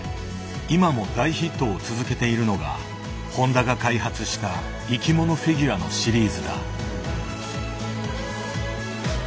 今も大ヒットを続けているのが誉田が開発した「いきもの」フィギュアのシリーズだ。